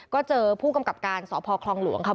ก็เจอผู้กำกับการสพคลองหลวงค่ะ